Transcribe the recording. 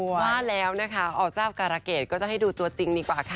ว่าแล้วนะคะอเจ้าการะเกดก็จะให้ดูตัวจริงดีกว่าค่ะ